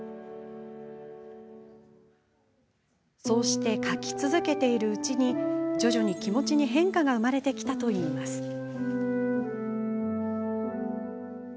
そうして書き続けているうちに徐々に気持ちに変化が生まれてきたといいます。